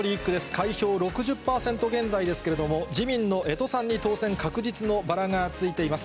開票６０％現在ですけれども、自民の江渡さんに当選確実の確実のバラがついています。